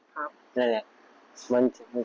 ผมกลัวแม่ไม่อายชาวบ้าน